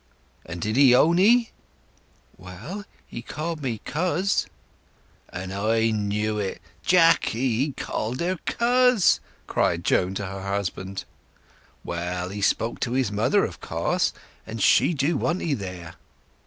"And did he own 'ee?" "Well—he called me Coz." "An' I knew it! Jacky—he called her Coz!" cried Joan to her husband. "Well, he spoke to his mother, of course, and she do want 'ee there."